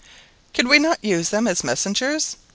"Could we not use them as messengers?"